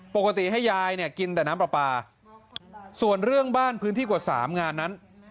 ปกติให้ยายเนี่ยกินแต่น้ำปลาปลาส่วนเรื่องบ้านพื้นที่กว่า๓งานนั้น